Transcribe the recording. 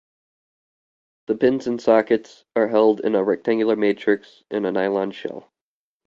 The pins and sockets are held in a rectangular matrix in a nylon shell.